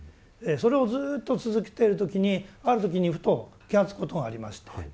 それをずっと続けてる時にある時にふと気が付くことがありまして。